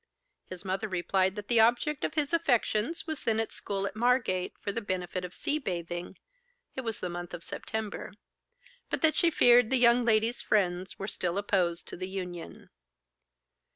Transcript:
His mother replied that the object of his affections was then at school at Margate, for the benefit of sea bathing (it was the month of September), but that she feared the young lady's friends were still opposed to the union.